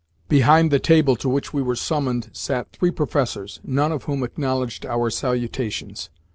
Behind the table to which we were summoned sat three Professors, none of whom acknowledged our salutations.